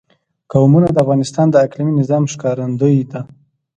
قومونه د افغانستان د اقلیمي نظام ښکارندوی ده.